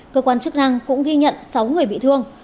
cơ quan chức năng cũng ghi nhận sáu người bị thương